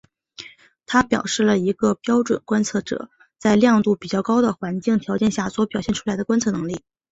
它表示了一个标准观测者在亮度比较高的环境条件下所表现出来的观测能力。